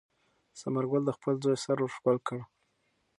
ثمر ګل د خپل زوی سر ور ښکل کړ.